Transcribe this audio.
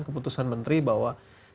keputusan menteri bahwa